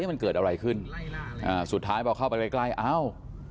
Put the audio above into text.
มันเกิดอะไรขึ้นอ่าสุดท้ายพอเข้าไปใกล้ใกล้อ้าว